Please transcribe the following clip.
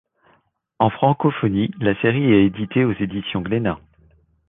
En francophonie, la série est éditée aux éditions Glénat.